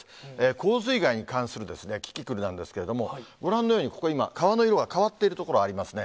洪水害に関するキキクルなんですけれども、ご覧のように、ここ今、川の色が変わっている所ありますね。